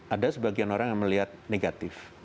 ada sebagian orang yang melihat negatif